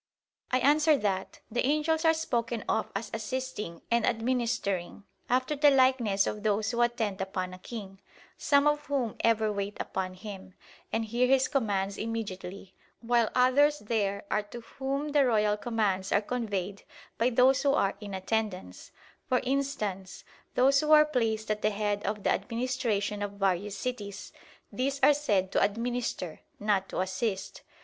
I answer that, The angels are spoken of as "assisting" and "administering," after the likeness of those who attend upon a king; some of whom ever wait upon him, and hear his commands immediately; while others there are to whom the royal commands are conveyed by those who are in attendance for instance, those who are placed at the head of the administration of various cities; these are said to administer, not to assist.